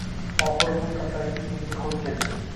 Oxiri bu safaringiz menga qoʻl keldi